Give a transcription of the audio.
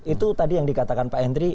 itu tadi yang dikatakan pak henry